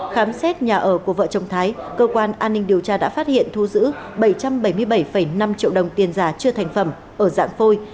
khám xét nhà ở của vợ chồng thái cơ quan an ninh điều tra đã phát hiện thu giữ bảy trăm bảy mươi bảy năm triệu đồng tiền giả chưa thành phẩm ở dạng phôi